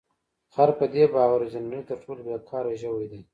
خر په دې باور و چې د نړۍ تر ټولو بې کاره ژوی دی.